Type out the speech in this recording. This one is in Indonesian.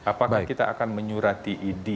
apakah kita akan menyurati